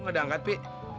kok gak diangkat pi